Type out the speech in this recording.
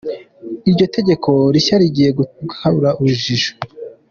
Iryo tegeko rishya rigiye gukuraho urujijo….